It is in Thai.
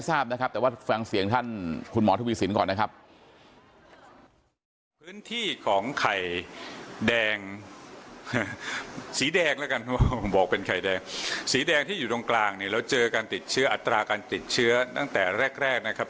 สีแดงแล้วกันบอกเป็นไข่แดงสีแดงที่อยู่ตรงกลางนี่เราเจอการติดเชื้ออัตราการติดเชื้อตั้งแต่แรกแรกนะครับ